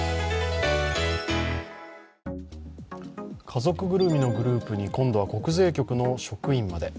家族ぐるみのグループに今度は国税局の職員まで。